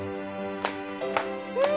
うん。